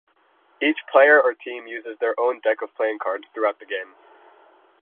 Each player or team uses their own deck of playing cards throughout the game.